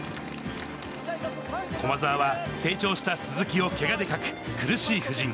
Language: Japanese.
駒澤は成長した鈴木をけがで欠く苦しい布陣。